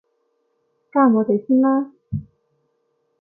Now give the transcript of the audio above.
加我哋先啦